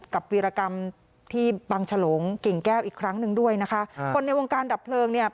วีรกรรมที่บังฉลงกิ่งแก้วอีกครั้งหนึ่งด้วยนะคะครับคนในวงการดับเพลิงเนี่ย